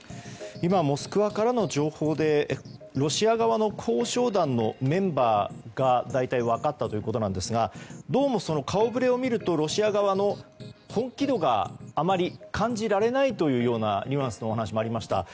今、モスクワからの情報でロシア側の交渉団のメンバーが大体分かったということなんですがどうもその顔触れを見るとロシア側の本気度があまり感じられないというニュアンスのお話もありました。